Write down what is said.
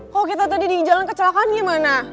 kalau kita tadi di jalan kecelakaan gimana